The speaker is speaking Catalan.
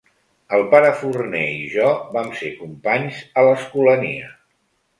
El pare Forner i jo vam ser companys a l'Escolania.